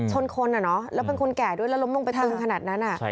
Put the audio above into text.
ชนคนแล้วเป็นคนแก่ด้วยแล้วล้มลงไปตึงขนาดนั้น